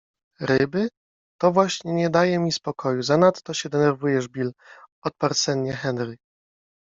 ryby? To właśnie nie daje mi spokoju. - Zanadto się denerwujesz Bill - odparł sennie Henry. -